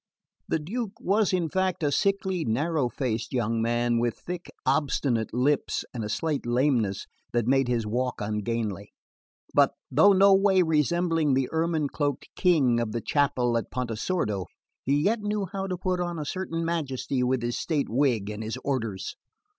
The Duke was in fact a sickly narrow faced young man with thick obstinate lips and a slight lameness that made his walk ungainly; but though no way resembling the ermine cloaked king of the chapel at Pontesordo, he yet knew how to put on a certain majesty with his state wig and his orders.